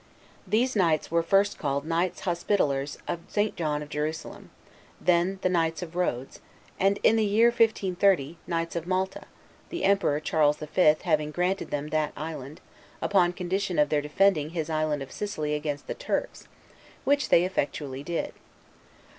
These' knights were first called Knights Hospitaliers of St. John of Jerusalem, then Knights of Rhodes; and in the year 1530, Knights of Malta, the Emperor Charles V. having granted them that island, upon condition of their defending his island of Sicily against the Turks, which they effectually did.